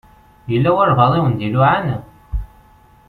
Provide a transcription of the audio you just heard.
Yella walebɛaḍ i wen-d-iluɛan?